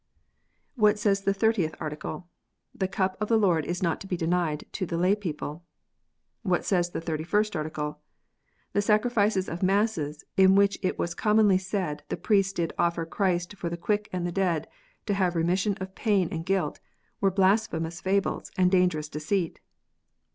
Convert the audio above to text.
What says the Thirtieth Article ?" The cup of the Lord is not to be denied to the lay people." What saith the Thirty first Article? "The sacrifices of masses, in which it was commonly said the priest did offer Christ for the quick and dead, to have remission of pain and guilt, were blasphemous fables and dangerous deceit."